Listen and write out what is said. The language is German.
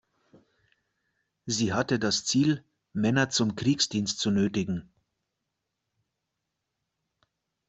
Sie hatte das Ziel, Männer zum Kriegsdienst zu „nötigen“.